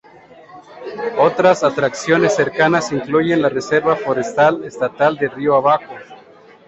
Otras atracciones cercanas incluyen la Reserva forestal estatal de Río Abajo.